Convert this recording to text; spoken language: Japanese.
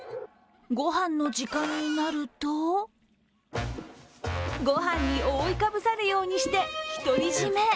御飯の時間になるとご飯に覆いかぶさるようにして、独り占め。